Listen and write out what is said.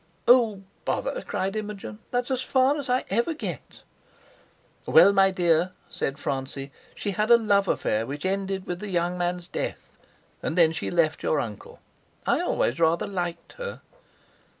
"Oh, bother!" cried Imogen; "that's as far as I ever get." "Well, my dear," said Francie, "she had a love affair which ended with the young man's death; and then she left your uncle. I always rather liked her."